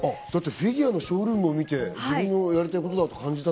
フィギュアのショールームを見て、これが自分のやりたいことだと感じた。